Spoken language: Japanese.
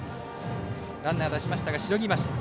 ランナー出しましたがしのぎました。